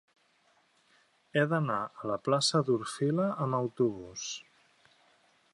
He d'anar a la plaça d'Orfila amb autobús.